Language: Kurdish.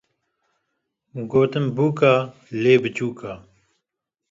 Gotin bûk e, lê biçûk e.